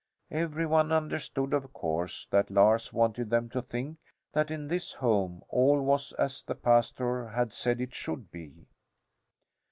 Every one understood of course that Lars wanted them to think that in this home all was as the pastor had said it should be.